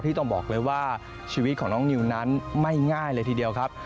ต้องบอกเลยว่าชีวิตของน้องนิวนั้นไม่ง่ายเลยทีเดียวครับ